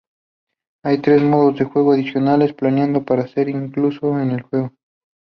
Hay tres modos de juego adicionales planeados para ser incluido en el juego.